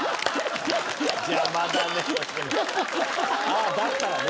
ああだったらね。